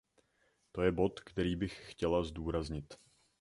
To je bod, který bych chtěla zdůraznit.